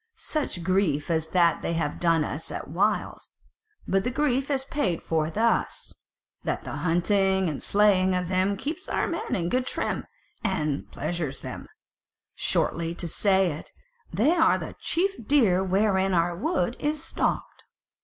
Such grief as that they have done us at whiles: but the grief is paid for thus, that the hunting and slaying of them keeps our men in good trim, and pleasures them; shortly to say it, they are the chief deer wherewith our wood is stocked."